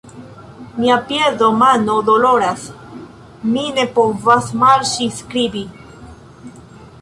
Mia piedo mano doloras, mi ne povas marŝi skribi.